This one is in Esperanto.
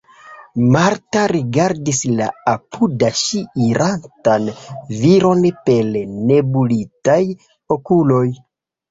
Marta rigardis la apud ŝi irantan virinon per nebulitaj okuloj.